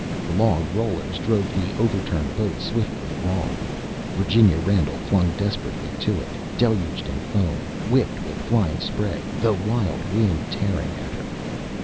The long rollers drove the over turned boat swiftly along. Virginia Randall clung desperately to it, deluged in foam, whipped with flying spray, the wild wind tearing at her.